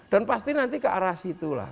dan pasti nanti ke arah situlah